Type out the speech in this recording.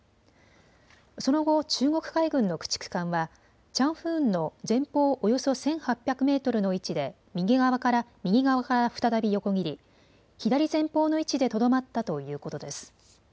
その後、中国海軍の駆逐艦はチャンフーンの前方およそ１８００メートルの位置で右側から再び横切り左前方の位置でとどまったということです。